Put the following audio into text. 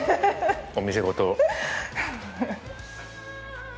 お店ごと。